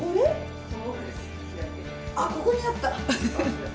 「あっここにあった」